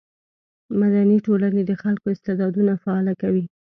مدني ټولنې د خلکو استعدادونه فعاله کوي.